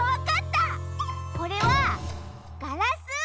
これはガラス？